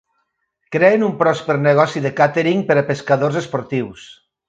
Creen un pròsper negoci de càtering per a pescadors esportius.